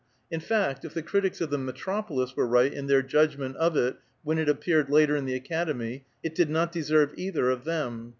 In fact, if the critics of the metropolis were right in their judgment of it when it appeared later in the Academy, it did not deserve either of them.